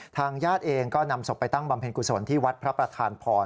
ทางญาติเองก็นำศพไปตั้งบำเพ็ญกุศลที่วัดพระประธานพร